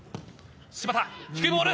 芝田低いボール。